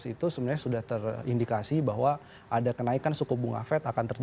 kejadian dua ribu lima belas itu sebenarnya sudah terindikasi bahwa ada kenaikan suku bunga fed akan terjadi